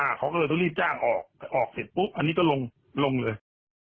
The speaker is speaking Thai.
เขาก็เลยต้องรีบจ้างออกแต่ออกออกเสร็จปุ๊บอันนี้ก็ลงลงเลย